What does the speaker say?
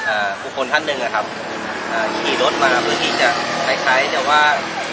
อาทิตย์คลอร์ทครับ่า